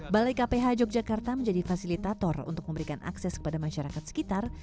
balai kph yogyakarta menjadi fasilitator untuk memberikan akses kepada masyarakat sekitar